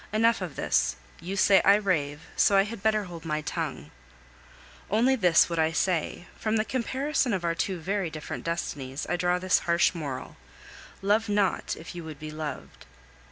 Enough of this. You say I rave, so I had better hold my tongue. Only this would I say, from the comparison of our two very different destinies I draw this harsh moral Love not if you would be loved.